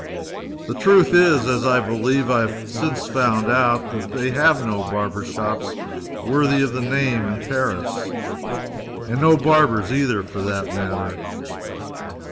The truth is, as I believe I have since found out, that they have no barber shops worthy of the name in Paris and no barbers, either, for that matter.